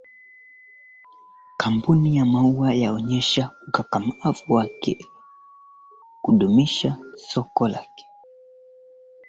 Katika historia ilijitokeza takribani mara nyingi